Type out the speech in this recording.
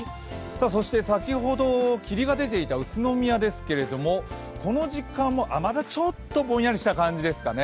そして先ほど霧が出ていた宇都宮ですけれども、この時間もまだちょっとぼんやりした感じですかね。